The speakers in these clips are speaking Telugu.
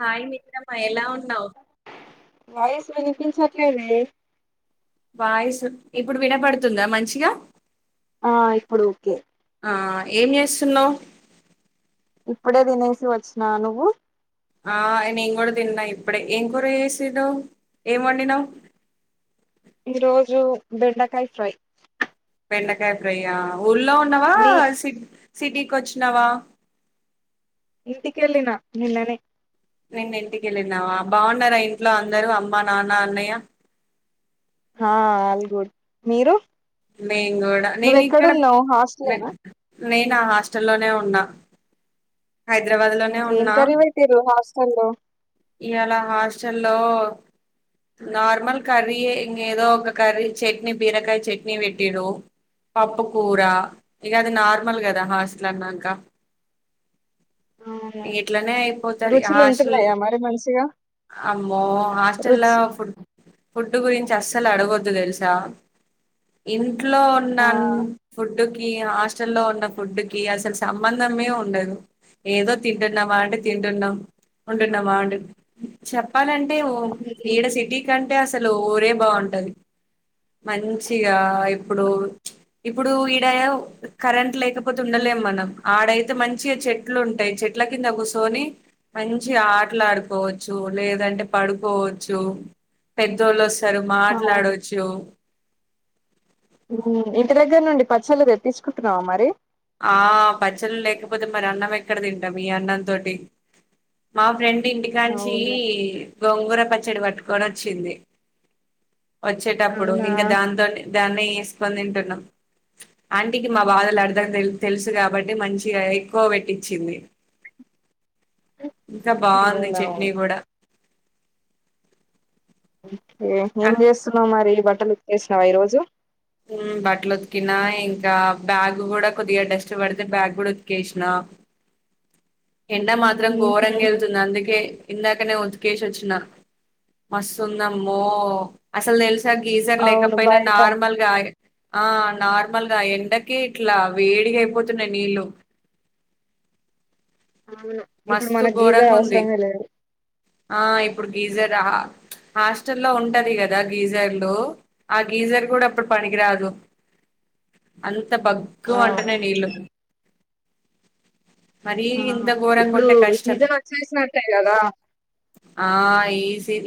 హాయ్ మిత్రమా ఎలా ఉన్నావు వాయిస్ విని పించట్లేదు మ్మే వాయిసు ఇప్పుడు వినపడుతుందా మంచిగా ఆ ఇప్పుడు ఓకే ఆ ఏం చేస్తున్నవ్ ఇప్పుడే తినేసి వచ్చినా నువ్వు ఆ ఎ నేన్ కూడతిన్నా ఇప్పుడే ఏం కూర చేసిర్రు ఏం వండినవ్ ఇ రోజు బెండకాయ ఫ్రై బెండకాయ్ ఫ్రై ఆ ఊర్లో ఉన్నవా మీ సి ట్ సిటీకొ చ్చినవా వా ఇంటికిెల్లి నా నిన్ననే నిన్న ఇంటికి వెళ్ళినవా బాగున్నారా ఇంట్లో అందరుఅమ్మ నాన్న అన్నయ్య హా అల్ గుడ్ మీరు నే కూడా నేను ఇక్కడ నువ్వెక్కడున్నావ్ హాస్టలేనా నే నా హాస్టల్లోనే ఉన్నా హైదరాబాద్ లోనే ఇంకేం ఉన్నా కర్రీ పెట్టిర్రు హాస్టల్లో ఇవాళ హాస్టల్ లో నార్మల్ కర్రీయే ఇంగ ఏదో ఒక కర్రీ చట్నీ బీరకాయ చట్నీ పెట్టిర్రు పప్పు కూర ఇక అది నార్మల్ కదా హాస్టల్ అన్నాక అవును ఇగిట్లనే అయిపోతది రుచులు హాస్టల్ ఉంటున్నాయా మరి మంచిగా అమ్మో హాస్టల్ లా రుచి ఫుడ్ ఫుడ్ గురించి అస్సలు అడగొద్దు తెలుసా ఇంత్ ఇంట్లో ఆ ఉన్నాం ఫుడ్ కీ హాస్టల్ లో ఉన్న ఫుడ్ కి అసలు సంబంధమే ఉండదు ఏదో తింటున్నామా అంటడి తింటున్నాం ఉంటున్నామా ఉంట చెప్పాలండి ఈడ సిటీ క అంటే అసలు ఊరే బాగుంటది మంచిగా ఇప్పుడు ఇప్పుడు ఈడ కరెంట్ లేకపోతే ఉండలేము మనం ఆడైతే మంచిగా చెట్ చెట్లు ఉంటాయి చెట్ల కింద కూర్చొని మంచి ఆటలుడుకోవచ్చు లేదంటే పడుకోవచ్చు పెద్దోళ సారు అవు మాట్లాడచ్చు ఇంటి దగ్గర నుండి పచ్చళ్ళ తె తీసుకుంటున్నావా మరి ఆ పచ్చళ్ళ లేకపోతే మరి అన్నం ఎక్కడ తింటా మీ అన్న తోటి మా ఫ్రెండ్ ఇంటికాంచి అవును గోంగూర పచ్చడి పట్టుకొని వచ్చింది వచ్చేటప్పుడు అవునా ఇంకా దాంతో దాన్ని ఏసుకొని తింటున్నం ఆంటీకి మా బాధలు ఆడు తెలుసు కాబట్టి మంచిగా ఎక్కువ పెట్టించింది ఇంకా బాగుంది చట్నీ అవునవును కూడా ఏ ఏం అక్- చేస్తున్నా మరి బట్టలు ఉతికేసినవా ఈ రోజు బట్టలు ఉతికినా ఇంకా బ్యాగ్ కూడా కొద్దిగా డస్ట్ పడితే బ్యాగ్ కూడా ఉతికేసినా ఎండ మాత్రం ఉహు ఘోరంగా వెళ్తుంది అందుకే ఇందాకనే ఉతికేసి వచ్చిన మస్తుందమ్మో అసలు తెలుసు గీజర్ అవును లేకపోయినా బయట నార్మల్ ఆ నార్మల్ గా ఎండకి ఇట్ల వేడిగా అయిపోతున్నాయి నీళ్ళు అవును ఇప్పుడు మస్తు మనకి గీజర్ ఘోరంగుంది. అవసరమే లేదు ఆ! ఇప్పుడు గీజర్ ఆ ఉహ్ హాస్టల్లో ఉంటది కదా గీజర్ లు ఆ గీజర్ కూడా అప్పుడు పనికిరాదు ఆన్ ఇంత బగ్ ఆ మంటున్నాయి నీళ్ళు మరి ఇంత ఆహా ఇప్పుడు ఘోరంగుంటే కష్టం. సీజన్ వచ్చేసి నట్టే కదా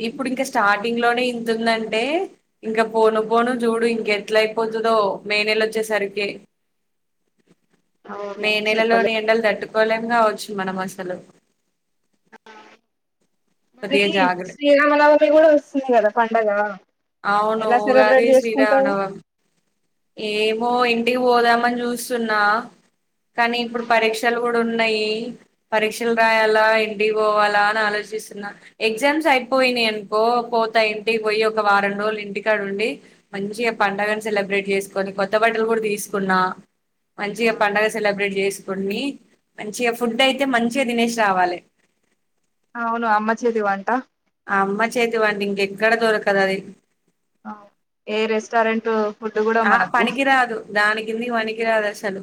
ఇప్పుడు ఇంకా స్టార్టింగ్ లోనే ఇంత ఉందంటే ఇంకా పోను పోను చూడు ఇంక ఎట్ల అయిపోతుందో మే నేల వచ్చే సరికి అవును మే చెప్పలే నెలలోని ఎండలు తట్టుకోలేం రావచ్చు మన భాషలో మీది జాగ్ర శ్రీరామనవమి కూడా వస్తుంది కదా పండగ అవును ఎలా ఉగాది సెలబ్రేట్ చేసుకుంటావు శ్రీరామనవమి ఏమో ఇంటికి పోదామని చూస్తున్నా కానీ ఇప్పుడు పరీక్షలు కూడా ఉన్నాయి పరీక్షలు రాయాలా ఇంటికి పోవాలా అని ఆలోచిస్తున్నా ఎగ్జామ్స్ అయిపోయినాయి అనుకో పోతా ఇంటికి పోయి ఒక వారం రోజులు ఇంటికాడ ఉండి మంచి గ పండగని సెలబ్రేట్ చేసుకొని కొత్త బట్టలు కూడా తీసుకున్నా మంచి గ పండగ సెలబ్రేట్ చేసి కొన్ని మంచిగా ఫుడ్ అయితే మంచిగా తినేసి రావాలే అవును అమ్మ చేతి వంట అమ్మ చేతి వంట ఇంక ఎక్కడ దొరకదు అది ఏ రెస్టారెంట్ ఉ ఆ పనికిరాదు దాని కింది కి పనికిరాదు అసలు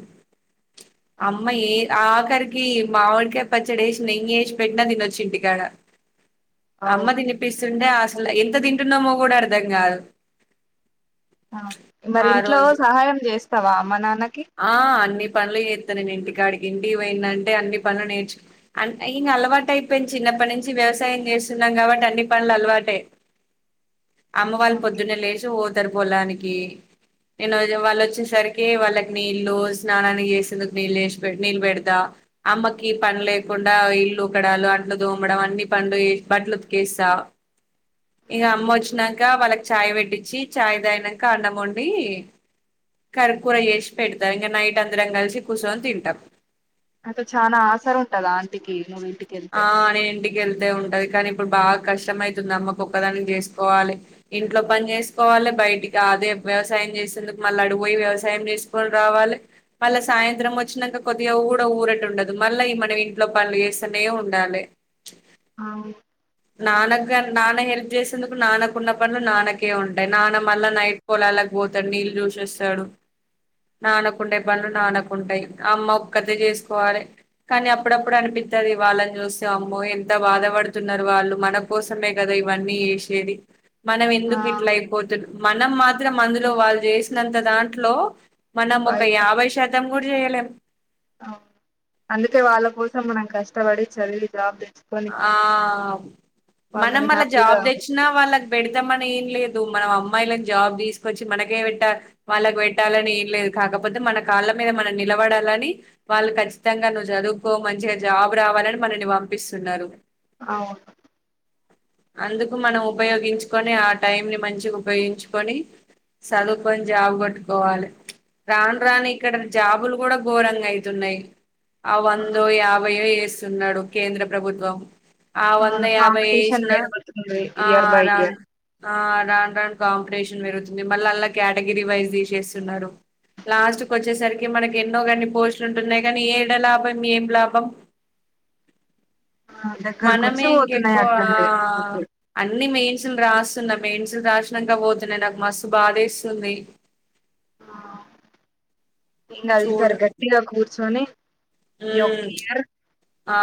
అమ్మ ఏ ఆ క్కరికి మామిడికాయ పచ్చడి ఏసీ నెయ్యి ఏసి పెట్టినా తినొచ్చు ఇంటికాడ అవు అమ్మ తినిపిస్ తుంటే అసలు ఎంత తింటున్నామో కూడా అర్థం కాదు ఆ మరి ఆ ఇంట్లో రోజు సహాయం చేస్తావా అమ్మ నాన్న ఆ అన్ని పనులు చేస్తా నేను ఇంటికాడికి ఇంటి కి పోయింది అంటే అన్ని పనులు నేర్చు అంటే ఇంక అలవాటు అయిపోయింది చిన్నప్పటి నుంచి వ్యవసాయం చేస్తున్నాం కాబట్టి అన్ని పనులు అలవాటే అమ్మ వాళ్ళు పొద్దున్నే లేచి పో ఇద్దరు పొలానికి నేను వాళ్ళు వచ్చేసరికి వాళ్ళ కి నీళ్లు స్నానాన్ని చేసేందుకు నీల్ ఏసీ పే నీళ్లు పెడతా అమ్మకి పని లేకుండా ఇల్లు ఉకడాలు అంట్లు తోమడం అన్ని పనులు బట్టలు ఉతికేస్తా ఇక అమ్మ వచ్చి నంక వాళ్ళక్ చాయ్ పెట్టించి చాయ్ తాగినాక అన్నం వండి కరి కూర చేసి పెడతా ఇంకా నైట్ అందరం కలిసి కూర్చొని తింటాం అంటే చాల ఆసర ఉంటదా ఆంటీకి నువి ఆ నేను ఇంటికి వెళ్తే ఉంట ది కాని ఇప్పుడు బాగా కష్టం అవుతుంది అమ్మకు ఒకదాని చేసుకోవాలి ఇంట్లో పని చేసుకోవాలి బయటికి అదే వ్యవసాయం చేసేందుకు మళ్ళీ అడి పోయి వ్యవసాయం చేసుకొని రావాలి మళ్ళ సాయంత్రం వచ్చినాక కొద్దిగా కూడా ఊరట ఉండదు మళ్ళీ ఈ మనం ఇంట్లో పనులు చే స్తేనె ఉండాలే అవును నాన్నకు నాన్న హెల్ప్ చేసేందుకు నాన్నకున్న పనులు నాన్నకే ఉంటాయి నాన్న మళ్ళా నైట్ పోలాలకు పోతాడు నీళ్ళు చూసస్తాడు నాన్నకుండే పనులు నాన్నకుంటాయి అమ్మ ఒక్కతే చేసుకోవాలి కానీ అప్పుడప్పుడు అనిపిస్తుది వాళ్ళని చూస్తే అమ్మో ఎంత బాధపడుతున్నారు వాళ్ళు మన కోసమే కదా ఇవన్నీ చేసేది మనం ఆ ఎందుకు ఇట్లా అయిపోతున్న మనం మాత్రం అందులో వాళ్ళు చేసినంత దాంట్లో మనం ఒక బయట యాభై శాతం కూడా చేయలేం అవును. అందుకే వాళ్ళ కోసం మనం కష్టపడి చదివి జాబ్ తెచ్చు ఆ మనం వాళ్ళని మళ్ళ హ్యాపీగా జాబ్ తెచ్చినా వాళ్ళకి పెడతామనీ ఏం లేదు నువ్వు మనం అమ్మాయిలను జాబ్ తీసుకొచ్చి మనకేట్ట వాళ్ళకి పెట్టాలని ఏం లేదు కాకపోతే మన కాళ్ళ మీద మనం నిలబడాలని వాళ్ళు కఖచ్చితంగా నువ్వు చదువుకో మంచిగా జాబ్ రావాలని మనల్ని పంపిస్తు న్నారు అవును అందుకు మనం ఉపయోగించుకొని ఆ టైం ని మంచిగా ఉపయోగించుకొని చదువుకొని జాబు కొట్టుకోవాలి రాను రాను ఇక్కడ జాబులు కూడా ఘోరంగా అయితున్నాయి ఆ వందో యాబై ఒ స్తున్నాడు కేంద్ర ప్రభుత్వం ఆ వంద అవును యాభై కాంపిటీషన్ ఏయిసి పెరుగుతుంది ఆ ఇయర్ బై రా ఇయర్ ఆ రాను రాను కాం రేషన్ పెరుగుతుంది మళ్ళ అలా కేటగిరీ వైజ్ తీసేస్తున్నారు లాస్ట్ క వచ్చేసరికి మనకి ఎన్నోన్ని పోస్ట్లు ఉంటున్నాయి కానీ ఏడ లాభం ఏం లాభం దగ్గరకు మనమే వచ్చి పోతున్నాయి ఇంకెక్కువ అట్లనే అన్ని మెయిన్ మల్లి రాస్తున్నా మేన్సు రాసినాక పోతున్నాయి నాకు మస్తు బాధ ఏస్తుంది ఏం కాదు ఇ సారీ గట్టిగా కూర్చొని హ ఈ ఒక్క ఇయర్ ఆ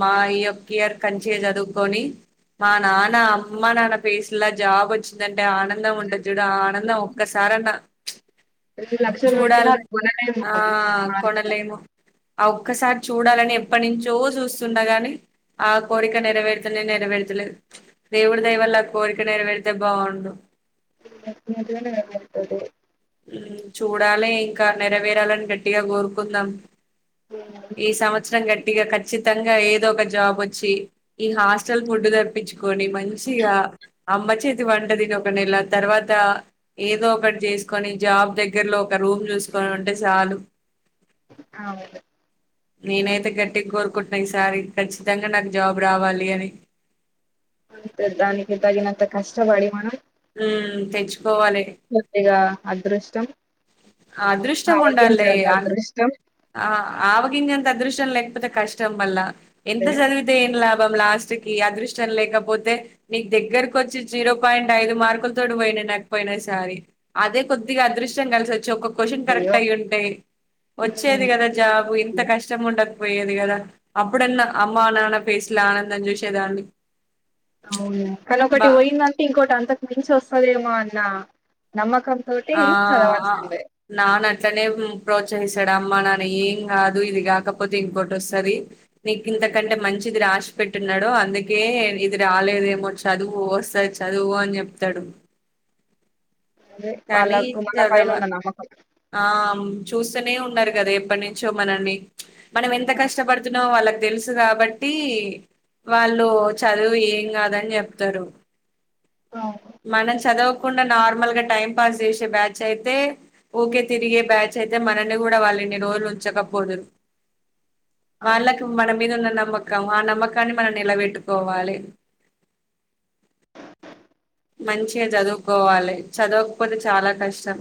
మా ఈ యొక్క ఇయర్ మంచి గా చదువుకొని మా నాన్న అమ్మ నాన్న పేసులా జాబ్ వచ్చిందం ఆ ఆనందం ఉంటది చూడు ఆ ఆనందం ఒక్కసారన్న లక్షలు పెట్టిన చూడాలి. అది కొనలేము ఆ! కొనలేము. ఒక్కసారి చూడాలని ఎప్పటినుంచో చూస్తున్నా గాని ఆ కోరిక నెరవేరుతేనే నెరవేర్తలే దేవుడి దయ వల్ల ఆ కోరిక నెరవేరితే బాగుండు [unintelligible] నెరవేరుతుంది చూడాలి ఇంకా నెరవేరాలని గట్టిగా కోరుకుందాం ఈ సంవత్సరం గట్టి గా ఖచ్చితంగా ఏదో ఒక జాబ్ వచ్చి ఈ హాస్టల్ ఫుడ్డు తపించుకొని మంచిగా అమ్మ చేతి వంటదిని ఒక నెల తర్వాత ఏదో ఒకటి చేసు కని జాబ్ దగ్గరలో ఒక రూమ్ చూసుకొని ఉంటే చాలు అవును నేనైతే గట్టిగా కోరుకుంటున్నా ఈసారి ఖచ్చితంగా నాకు జాబ్ రావాలి అని అంతే దానికి దగినంత కష్టపడి మనం హ్మ్ తెచ్ ముద్దిగా అదృష్టం అదృష్టం ఉండాలే ఆవగించేంత అదృష్టం ఆవగింజంత అదృష్ చొళ్ళె లేకపోతే కష్టంమళ్ళ ఎంత చదివితే ఏం లాభం లాస్ట్ కి అదృష్టం లేకపోతే నీక్ దగ్గరకొచ్చి జీరో పాయింట్ ఐదు మార్కుల్తోటి పోయిన నాక్ పోయిన ఈసారి అదే కొద్దిగా అదృష్టం కలిసి వ. చెవ్ కొక్ క్వషన్ అయ్యో కరెక్ట్ అయి ఉంటే వచ్చేది కదా జాబు ఇంత కష్టం ఉండద్ పోయేది కదా అప్పుడన్న అమ్మా నాన్న ఫెసలా ఆనందం చూసే దాన్ని. అవునే కాని ఒకటి పొయింది అంటే ఇంకోటి అంతక్ మించి వస్తదేమో అన్నా నమ్మక్ ఆ నాన్న అట్లనే ఉమ్ ప్రోత్సహిస్తాడు అమ్మ నా. ఏం కాదు ఇది గాకపోతే ఇంకోటి వస్తాది నీకు ఇంతకంటే మంచిది రాసి పెట్టి ఉన్నాడు అందుకే ఇది రాలేదేమో చదువు వస్తాది చదువు అని జెప్తాడు. అదే కానీ వాళ్ళకు మన పైన చదవ ఉన్న నమ్మకం ఆమ్ చూస్తానే ఉన్నారు కదా ఎప్పట్ని నుంచో మనల్ని మనం ఎంత కష్టపడుతున్నామో వాళ్ళక్. తెలుసు గాబట్టి వాళ్ళు చదువు ఏం కాదని చెప్తారు. అవును, మనం చదవ కుండా నార్మల్ గా టైమ్ పాస్ చేసే బ్యాచ్ అయితే ఓకే తిరిగే బ్యాచ్ అయితే మనల్ని గూడా వాళ్ళు ఇన్ని రోలు ఉచ్చకపోదురు. వాళ్ళకు మనమ్ మీద ఉన్న నమ్మకం ఆ నమ్మకాన్ని మనం నిలబెట్టుకోవాలి. మంచిగా చదువుకోవలె చదవకపోతే చాలా కష్టం.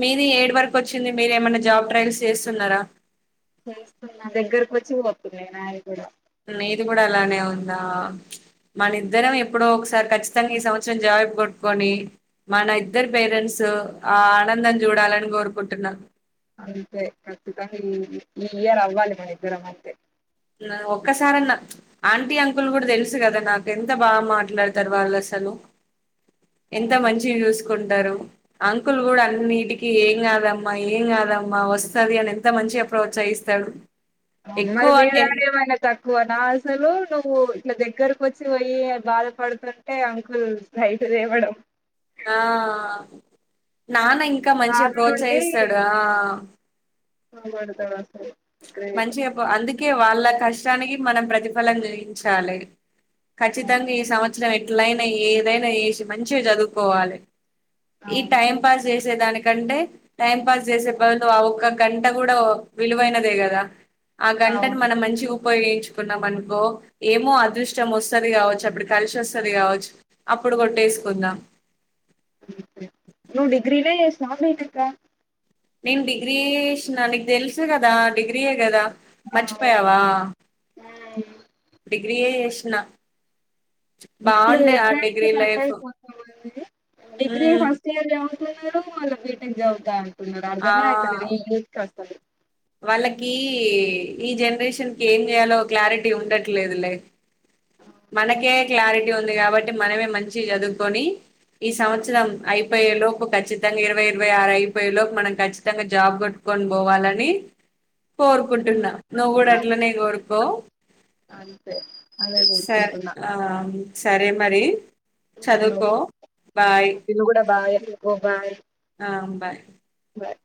మీది ఏడు వరకు వచ్చింది మీరు ఏమన్నా జాబ్ ట్రయల్స్ చేస్తున్నారా. చేస్తున్న దగ్గరకొచ్చి పోతున్నాయ్ నాయి కూడా. నీది కూడా అలానే ఉందా మన ఇద్దరం ఎప్పుడో ఒకసారి ఖచ్చితంగ ఈ సంవత్సరం జాబు గొట్టుకొని మన ఇద్దరి పేరెంట్స్ ఆనందం జుడాలని గోరుకుంటున్న. అంతే ఖచ్చితంగా ఇ ఈ ఇయర్ అవ్వాలి మన ఇద్దరం అంతే. ఒక్కసారన్న ఆంటీ అంకుల్ కూడా తెలుసు కదా నాకు ఎంత బా మాట్లాడతారు వాళ్ళు అస్సలు. ఎంత మంచి న్యూస్. ఉంటారు అంకుల్ కూడా అన్నీటికి ఏం కాదమ్మా ఏం కాదమ్మా వస్తాది అని ఎంత మంచిగ ప్రోత్సహిస్తాడు. మరి ఎక్కువ మీరే టెన్ ఏమైనా తక్కువ నా అసలు నువ్వు ఇట్ల దగ్గరికొచ్చి పోయి బాధపడుతుంటే అంకుల్ బయట తేవడం. ఆ... నాన్న ఇంకా మంచిగా బాధ నుండి ప్రోత్సహిస్తాడు ఆ... తోవ మంచిగా అందుకే వాళ్ళ కష్టానికి మనం ప్రతిఫలం చేయించాలి అవును ఖచ్చితంగా ఈ సం చ్చ ఎట్లయినా ఏదైనా చేసి మంచిగా చదువుకోవలే ఈ అవును టైమ్ పాస్ వేస్త దానికంటే టైం పాస్ చేసే బదులు ఒక్క గంట కూడా విలువైన ఇ కదా ఆ గంటను అవును. మనం మంచి పో ఎయించుకున్నాం అనుకో ఏమో అదృష్టం వస్తుది కావచ్చు అప్పుడు కలిసిస్తుది కావచ్చు అప్పుడు కొట్టేసుకుందాం నువు డిగ్రీ నే చేసినవా బిటెక్ ఆ నేను డిగ్రీ చేసిన నీకు తెలుసు కదా డిగ్రీయే కదా ఆ మచ్చిపోయావా డిగ్రీయే చేసిన ఇప్పుడు బాగుండే ఆ ఎట్లా అయితే డిగ్రీ నట్ లైఫ్ అయిపోతా ఆ డిగ్రీ ఉమ్, ఫస్ట్ ఇయర్ వస్తున్నాడు మళ్ళీ బీటెక్ జాబ్ కావాలంటున్నాడు ఇక్కడ ఆ అర్థమే అయితలేదు ఇంగ్లీష్ కోషన్లు వాళ్ళకి ఈ జనరేషన్ కి ఏం చేయాలో క్లారిటీ ఉండట్లేదులే మనకే క్లారిటీ ఉంది కాబట్టి మనమే మంచి చదువుకొని ఈ సంవత్సరం అయిపోయే లోపు ఖచ్చితంగా ఇరవై ఇరవై ఆరు అయిపోయే లోపు మనం ఖచ్చితంగా జాబ్ కొట్టుకొని పోవాలని కోరుకుంటున్నా నువ్వు కూడా అట్లనే కోరుకో అంతే అదే సరే కోరుకుంటున్నా ఆ సరే మరి చదువుకో బాయ్ [unintelligible] కూడా బాగ ఓ బాయ్ ఆ బాయ్ బాయ్